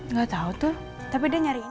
nggak tahu tuh tapi dia nyariin